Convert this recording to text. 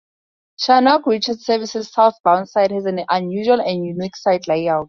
Charnock Richard Services, southbound side, has an unusual and unique site layout.